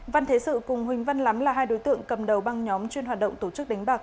văn thế sự cùng huỳnh văn lắm là hai đối tượng cầm đầu băng nhóm chuyên hoạt động tổ chức đánh bạc